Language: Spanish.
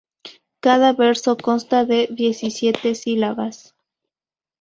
Cada verso consta de diecisiete sílabas.